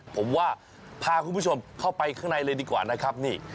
ผมว่าพาคุณผู้ชมเข้าไปข้างในเลยดีกว่านะครับนี่